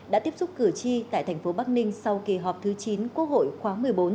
đã tiếp xúc cử tri tại thành phố bắc ninh sau kỳ họp thứ chín quốc hội khóa một mươi bốn